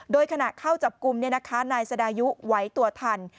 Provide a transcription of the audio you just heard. โดยขณะเข้าจับกลุ่มนายสดายุไหวตัวทัน